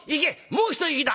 もう一息だ。